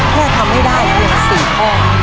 แค่ทำให้ได้เพียง๔ข้อ